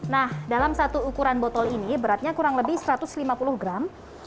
nah dalam satu ukuran botol ini beratnya kurang lebih satu ratus lima puluh gram